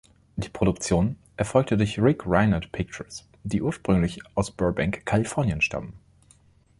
Die Produktion erfolgte durch Rick Reinert Pictures, die ursprünglich aus Burbank, Kalifornien, stammen.